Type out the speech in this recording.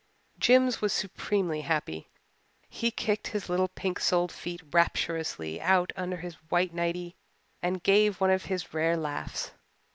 Jims was supremely happy. He kicked his little pink soled feet rapturously out under his white nighty and gave one of his rare laughs.